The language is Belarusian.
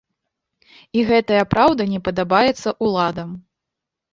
І гэтая праўда не падабаецца ўладам.